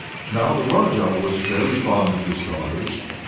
Now the Raja was very fond of his daughters.